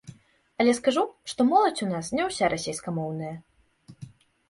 Але скажу, што моладзь у нас не ўся расейскамоўная.